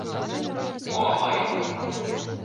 — Мо мый?!